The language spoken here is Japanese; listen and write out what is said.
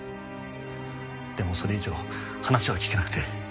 でもそれ以上話は聞けなくて。